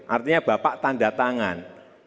artinya bapak tanda tangan